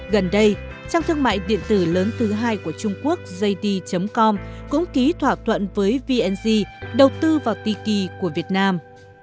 gần đây trang thương mại điện tử lớn thứ hai của trung quốc jd com cũng ký thỏa thuận với vnc đầu tư vào tiki của việt nam